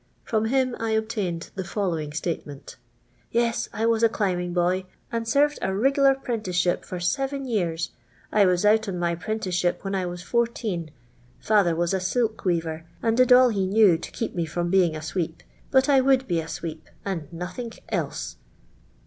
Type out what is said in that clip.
From him I obUiined the following statement :—*' Yes, I was a climbing boy, and sarred a rigler ])rinticeship for seven years. I was out on raj printiceship when I was fourteen. Father was a silk weaver, nnd did all he knew to keep me from being a sweep, but I would be a sweep, and nothink else."